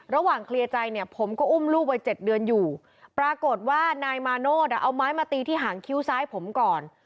เคลียร์ใจเนี่ยผมก็อุ้มลูกวัย๗เดือนอยู่ปรากฏว่านายมาโนธเอาไม้มาตีที่หางคิ้วซ้ายผมก่อน